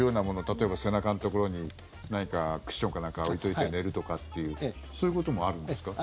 例えば、背中のところにクッションか何か置いといて寝るとかっていうそういうこともあるんですか？